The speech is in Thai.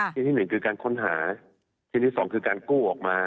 ชิ้นที่๑คือการค้นหาชิ้นที่๒คือการกู้ออกมา